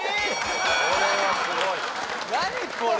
これはすごい何これ？